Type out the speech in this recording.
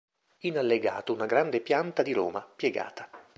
In allegato una grande pianta di Roma, piegata.